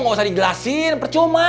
gak usah digelasin percuma